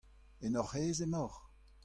En hoc'h aez emaoc'h ?